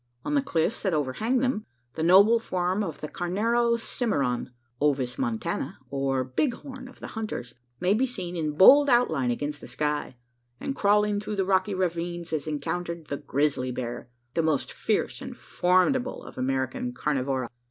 On the cliffs that overhang them, the noble form of the carnero cimmaron (ovis montana) or, "Bighorn" of the hunters maybe seen, in bold outline against the sky; and crawling through the rocky ravines is encountered the grizzly bear the most fierce and formidable of American carnivora.